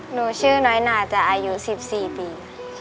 หนูชื่อน้อยนาจะอายุ๑๔ปี